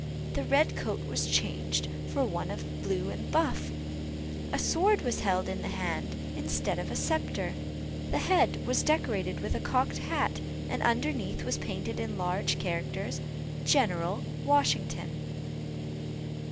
The red coat was changed for one of blue and buff, a sword was held in the hand instead of a sceptre, the head was decorated with a cocked hat, and underneath was painted in large characters, "GENERAL WASHINGTON."